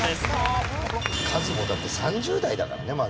カズもだって３０代だからねまだ。